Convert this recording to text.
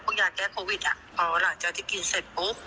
ยาแก้โควิดอ่ะพอหลังจากที่กินเสร็จปุ๊บ